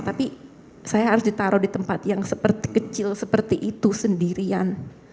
tapi saya harus ditaruh di tempat yang kecil seperti itu sendirian